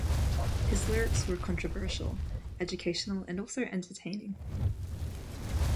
His lyrics were controversial, educational and also entertaining.